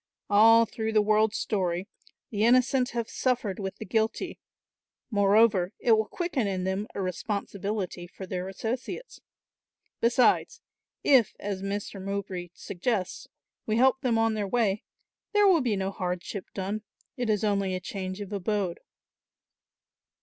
All through the world's story the innocent have suffered with the guilty; moreover, it will quicken in them a responsibility for their associates. Besides, if, as Master Mowbray suggests, we help them on their way there will be no hardship done, it is only a change of abode.